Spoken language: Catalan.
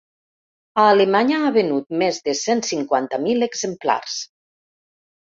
A Alemanya ha venut més de cent cinquanta mil exemplars.